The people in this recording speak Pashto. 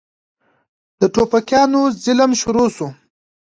د ټوپکيانو ظلم شروع سو.